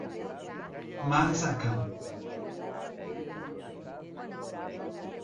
Marzagão